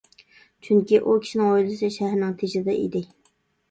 چۈنكى، ئۇ كىشىنىڭ ھويلىسى شەھەرنىڭ تېشىدا ئىدى.